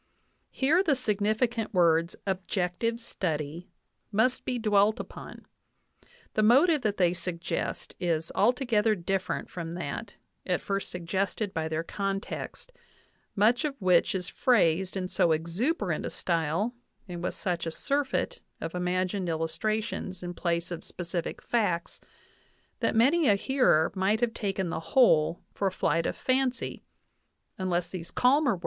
Here the significant words, "objective study," must be dwelt upon; the motive that they suggest is altogether different from that at first suggested by their context, much of which is phrased in so exuberant a style and with such a surfeit of imagined illustra tions in place of specific facts that many a hearer might have taken the whole for a flight of fancy unless these calmer words.